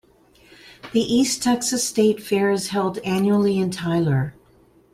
The East Texas State Fair is held annually in Tyler.